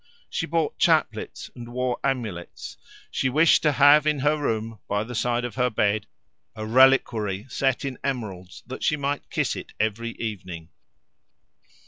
She bought chaplets and wore amulets; she wished to have in her room, by the side of her bed, a reliquary set in emeralds that she might kiss it every evening.